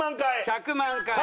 １００万回。